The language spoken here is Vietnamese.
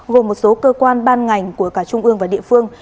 gồm một số cơ quan ban ngành của cả trung ương và địa phương